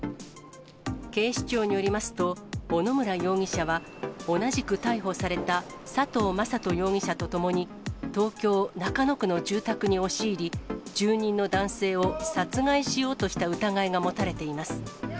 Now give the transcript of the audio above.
警視庁によりますと、小野村容疑者は同じく逮捕された佐藤政人容疑者とともに、東京・中野区の住宅に押し入り、住人の男性を殺害しようとした疑いが持たれています。